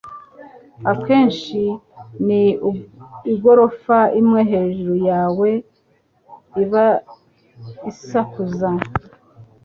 akenshi ni igorofa imwe hejuru yawe iba isakuza.